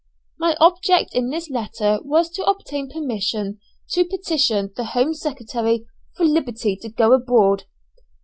My object in this letter was to obtain permission to petition the Home Secretary for liberty to go abroad.